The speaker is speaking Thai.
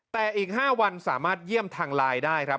แต่อีก๕วันสามารถเยี่ยมทางไลน์ได้ครับ